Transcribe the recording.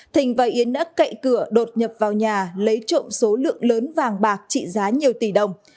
thình và yến đã cậy cửa đột nhập vào nhà lấy trộm số lượng lớn vàng bạc trị giá nhiều tỷ đồng